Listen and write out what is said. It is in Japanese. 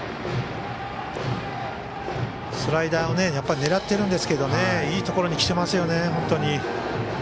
スライダーを狙っているんですけどいいところに来ていますね。